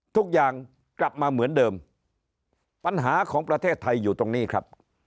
ทุกอย่างกลับมาเหมือนเดิมปัญหาของประเทศไทยอยู่ตรงนี้ครับ